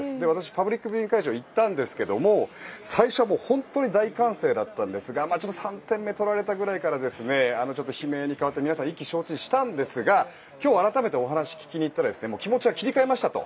パブリックビューイング会場に私、行ったんですが最初は本当に大歓声だったんですが３点目を取られたくらいからちょっと悲鳴に変わって意気消沈したんですが改めて話を聞きに行ったら気持ちは切り替えましたと。